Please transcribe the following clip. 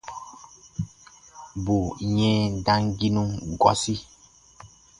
Bù yɛ̃ɛ damginu gɔsi.